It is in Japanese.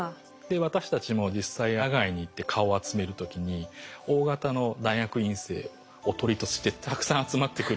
私たちも実際野外に行って蚊を集める時にＯ型の大学院生おとりとしてたくさん集まってくる蚊をですね